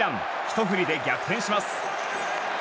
ひと振りで逆転します。